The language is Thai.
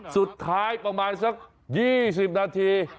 สุดท้ายประมาณสัก๒๐นาที